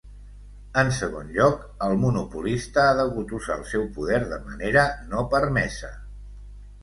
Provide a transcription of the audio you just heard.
En segon lloc, el monopolista ha degut usar el seu poder de manera no permesa.